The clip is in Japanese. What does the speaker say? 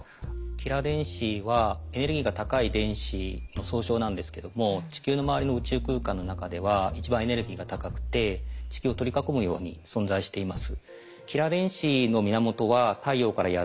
キラー電子はエネルギーが高い電子の総称なんですけども地球の周りの宇宙空間の中では一番エネルギーが高くて地球を取り囲むように存在しています。